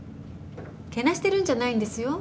けなしてるんじゃないんですよ。